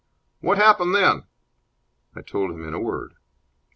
"What happened then?" I told him in a word.